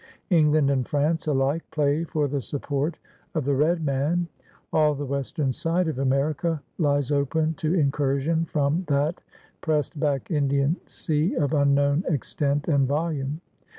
England and France alike play for the support of the red man. All the west em side of America lies open to incursion from that pressed back Indian sea of imknown extent and volume.